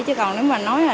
chứ còn nếu mà nói là